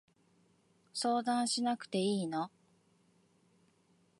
相談しなくていいの？